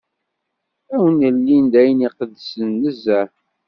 Ad wen-ilin d ayen iqedsen nezzeh.